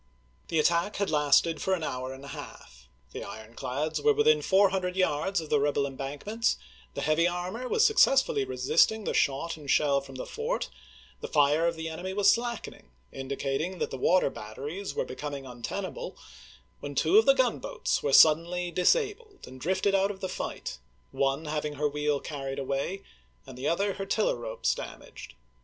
The attack had lasted an hour and a half. The ironclads were within four hundred yards of the rebel embank ments, the heavy armor was successfully resisting the shot and shell from the fort, the fire of the enemy was slackening, indicating that the water batteries were becoming untenable, when two of the gunboats were suddenly disabled and drifted out of the fight, one having her wheel carried away, and the other her tiller ropes damaged.